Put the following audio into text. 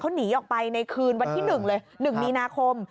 หนีออกไปในคืนวันที่๑เลย๑มีนาคม